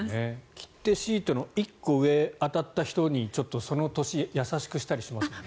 切手シートの１個上当たった人にその年優しくしたりしますもんね。